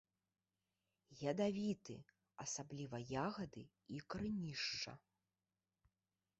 Ядавіты, асабліва ягады і карэнішча.